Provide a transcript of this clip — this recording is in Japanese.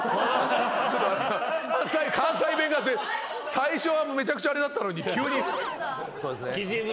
最初はめちゃくちゃあれだったのに急に。